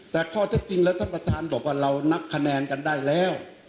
แต่ข้อเท็จจริงแล้วท่านประธานบอกว่าเรานับคะแนนกันได้แล้ว